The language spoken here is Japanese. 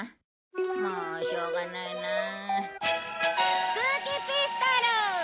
もうしょうがないなあ。